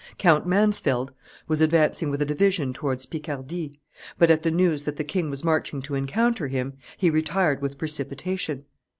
Count Mansfeld was advancing with a division towards Picardy; but at the news that the king was marching to encounter him, he retired with precipitation.